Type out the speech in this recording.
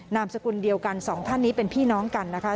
นามสกุลเดียวกันสองท่านนี้เป็นพี่น้องกันนะคะ